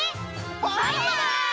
バイバイ！